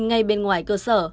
ngay bên ngoài cơ sở